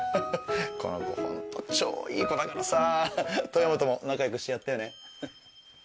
この子ホント超いい子だからさ豊本も仲良くしてやってよね。